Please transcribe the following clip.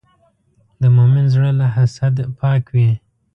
د مؤمن زړه له حسد پاک وي.